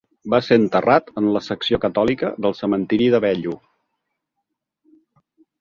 Va ser enterrat en la secció catòlica del cementiri de Bellu.